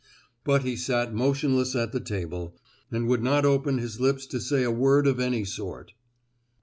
But he sat motionless at the table, and would not open his lips to say a word of any sort.